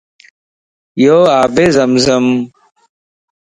يو آبِ زم زمَ